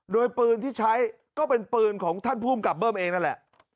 โดยปืนที่ใช้ก็เป็นปืนของท่านภูมิกับเบิ้มเองนั่นแหละ